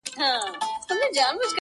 د طاووس تر رنګینیو مي خوښيږي!